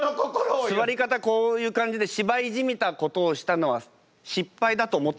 座り方こういう感じで芝居じみたことをしたのは失敗だと思っていますか？